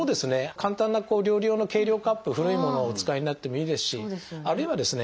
簡単な料理用の計量カップ古いものをお使いになってもいいですしあるいはですね